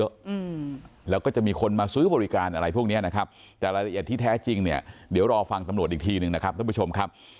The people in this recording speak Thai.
อืมแล้วก็จะมีคนมาซื้อบริการอะไรพวกเนี้ยนะครับแต่รายละเอียดที่แท้จริงเนี่ยเดี๋ยวรอฟังตำรวจอีกทีหนึ่งนะครับท่านผู้ชมครับ